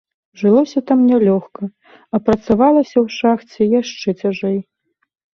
Жылося там нялёгка, а працавалася ў шахце яшчэ цяжэй.